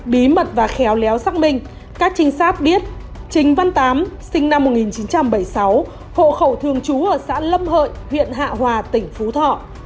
bí mật và khéo léo xác minh các trinh sát biết trình văn tám sinh năm một nghìn chín trăm bảy mươi sáu hộ khẩu thường trú ở xã lâm hợi huyện hạ hòa tỉnh phú thọ